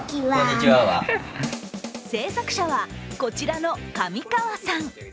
制作者はこちらの上川さん。